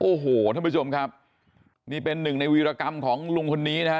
โอ้โหท่านผู้ชมครับนี่เป็นหนึ่งในวีรกรรมของลุงคนนี้นะฮะ